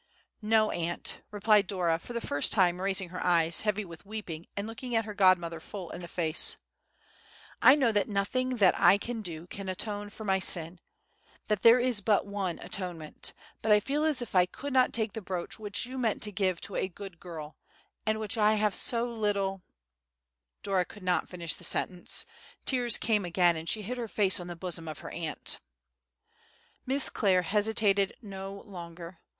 "No, aunt," replied Dora, for the first time raising her eyes, heavy with weeping, and looking her godmother full in the face; "I know that nothing that I can do can atone for my sin—that there is but one Atonement; but I feel as if I could not take the brooch which you meant to give to a good girl, and which I have so little"— Dora could not finish the sentence, tears came again, and she hid her face on the bosom of her aunt. Miss Clare hesitated no longer.